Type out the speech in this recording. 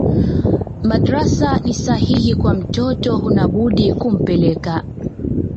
madrasa ni sahihi kwa mtoto hunabudi kumpeleka